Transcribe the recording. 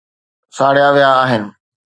ساڙيا ويا آهن